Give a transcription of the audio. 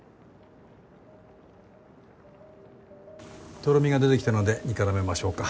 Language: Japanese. とろみが出てきたので煮からめましょうか。